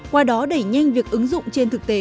qua đó đẩy nhanh việc ứng dụng trên thực tế